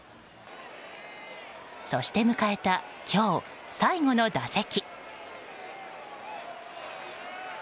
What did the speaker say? そして迎えた今日最後の打席。